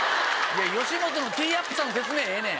吉本のティーアップさんの説明ええねん！